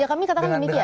ya kami katakan demikian